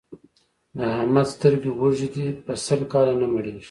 د احمد سترګې وږې دي؛ په سل کاله نه مړېږي.